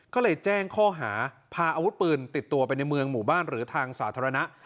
ก็เลยแจ้งข้อหาพาอาวุธปืนติดตัวไปในเมืองหมู่บ้านหรือทางสาธารณะ